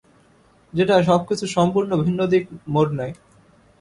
যেটায় সবকিছু সম্পূর্ণ ভিন্ন দিকে মোড় নেয়।